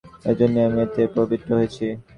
এজন্যই আমি এতে প্রবৃত্ত হয়েছি।